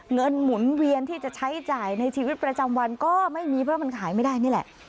หมุนเวียนที่จะใช้จ่ายในชีวิตประจำวันก็ไม่มีเพราะมันขายไม่ได้นี่แหละ